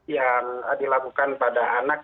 yang dilakukan pada anak